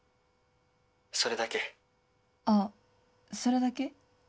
☎それだけあそれだけ？